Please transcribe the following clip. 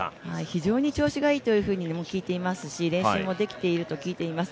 非常に調子がいいと聞いていますし、練習もできていると聞いています。